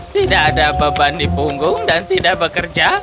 tidak ada beban di punggung dan tidak bekerja